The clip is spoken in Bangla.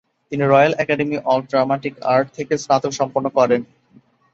তিনি royal academy of dramatic art থেকে স্নাতক সম্পন্ন করেন।